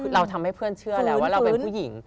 เราทำให้เพื่อนเชื่อแล้วว่าเราเป็นผู้หญิง